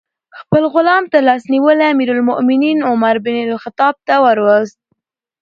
خپل غلام ترلاس نیولی امیر المؤمنین عمر بن الخطاب ته وروست.